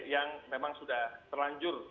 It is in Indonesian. yang memang sudah terlanjur